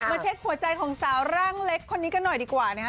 เช็คหัวใจของสาวร่างเล็กคนนี้กันหน่อยดีกว่านะฮะ